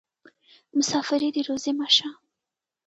مسافري دې روزي مه شه.